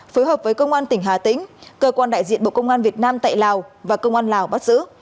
phối hợp với công an tp hcm cơ quan đại diện bộ công an việt nam tại lào và công an lào bắt giữ